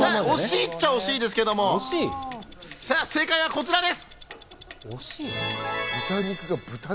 惜しいっちゃ惜しいですけど正解はこちらです。